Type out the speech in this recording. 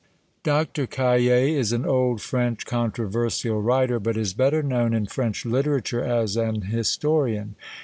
Dr. Cayet is an old French controversial writer, but is better known in French literature as an historian.